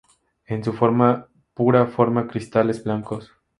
En su forma pura forma cristales blancos.